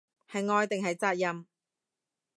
係愛定係責任